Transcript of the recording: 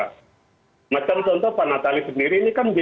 contoh contoh bang natalius sendiri ini kan